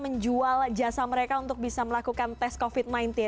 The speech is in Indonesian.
menjual jasa mereka untuk bisa melakukan tes covid sembilan belas